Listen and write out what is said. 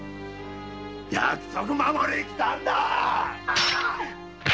約束を守りに来たんだ！